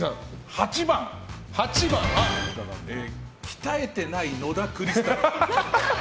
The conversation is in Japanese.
８番、鍛えてない野田クリスタル。